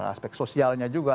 aspek sosialnya juga